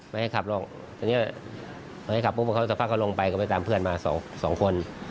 ไม่ให้ขับร้องเพราะว่าเขาจะพักเขาลงไปก็ไปตามเพื่อนมา๒คน